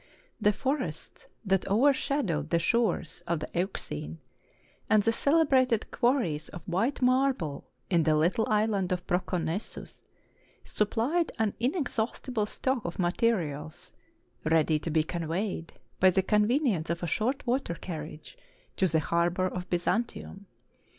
The forests that overshadowed the shores of the Euxine, and the celebrated quarries of white marble in the little island of Proconnesus, supplied an inexhaust ible stock of materials, ready to be conveyed, by the convenience of a short water carriage, to the harbor of Byzantium.